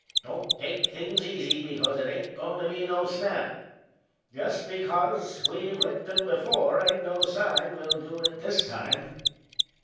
Don't take things easy, because it ain't goin' to be no snap. Just because we've licked 'em before ain't no sign we'll do it this time."